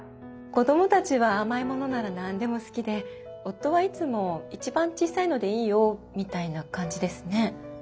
子供たちは甘いものなら何でも好きで夫はいつも「一番小さいのでいいよ」みたいな感じですね。